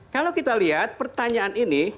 kalau kita lihat pertanyaan ini